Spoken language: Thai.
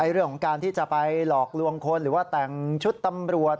เรื่องของการที่จะไปหลอกลวงคนหรือว่าแต่งชุดตำรวจ